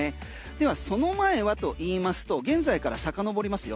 ではその前はといいますと現在からさかのぼりますよ。